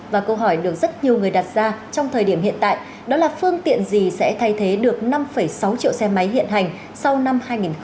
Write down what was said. và câu hỏi được rất nhiều người đặt ra trong thời điểm hiện tại đó là phương tiện gì sẽ thay thế được năm sáu triệu xe máy hiện hành sau năm hai nghìn hai mươi